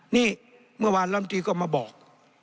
นี่เมื่อวานลำตีก็มาบอก